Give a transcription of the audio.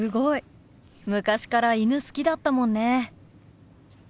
昔から犬好きだったもんね。